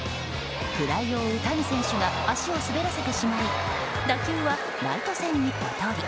フライを追う谷選手が足を滑らせてしまい打球はライト線にポトリ。